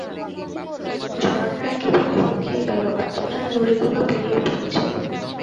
ঝর্না একেবারে শুকিয়ে গেল, পাথর আর নুড়িগুলো বেরিয়ে পড়েছে।